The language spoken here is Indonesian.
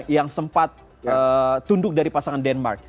yang sempat tunduk dari pasangan denmark